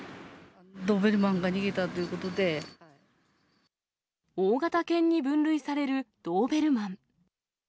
ドーベルマンが逃げたという大型犬に分類されるドーベルマン。